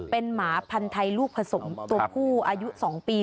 เป็นหมาพันทัยลูกผสมตกผู้อายุ๒ปี